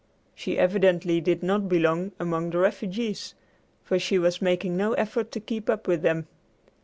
She evidently did not belong among the refugees, for she was making no effort to keep up with them.